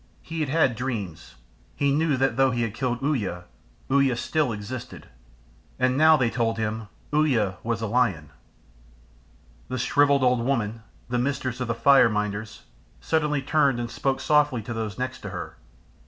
He had had dreams he knew that though he had killed Uya, Uya still existed. And now they told him Uya was a Lion. The shrivelled old woman, the mistress of the fire minders, suddenly turned and spoke softly to those next to her.